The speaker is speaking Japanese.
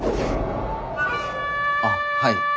あっはい。